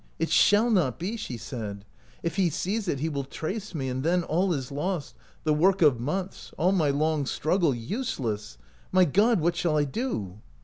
It shall not be!" she said. " If he sees it he will trace me, and then all is lost, the work of months — all my long struggle useless ! My God ! what shall I do?"